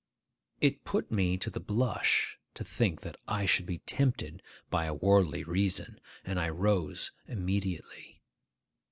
It put me to the blush to think that I should be tempted by a worldly reason, and I rose immediately.